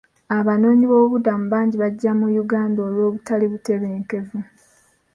Abanoonyiboobubudamu bangi bajja mu Uganda olw'obutali butebenkevu.